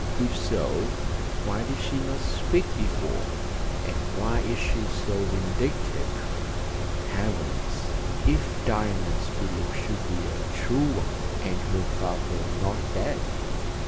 If so, why did she not speak before, and why is she so vindictive? Heavens! If Diana's belief should be a true one, and her father not dead?